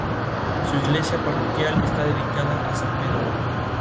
Su iglesia parroquial está dedicada a San Pedro.